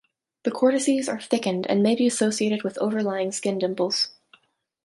The cortices are thickened and may be associated with overlying skin dimples.